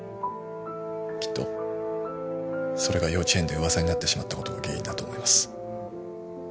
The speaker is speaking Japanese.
きっとそれが幼稚園で噂になってしまったことが原因だと思います。